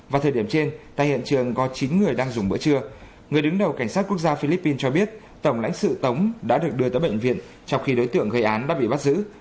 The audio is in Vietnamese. vào thời điểm trên tại hiện trường có chín người đang dùng bữa trưa người đứng đầu cảnh sát quốc gia philippines cho biết tổng lãnh sự tống đã được đưa tới bệnh viện trong khi đối tượng gây án đã bị bắt giữ